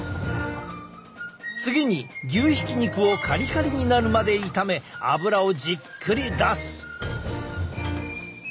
次に牛ひき肉をカリカリになるまで炒めあぶらをじっくり出す。